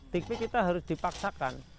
tapi kita harus dipaksakan